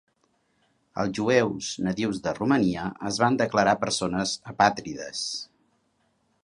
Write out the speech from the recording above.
Els jueus nadius de Romania es van declarar persones apàtrides.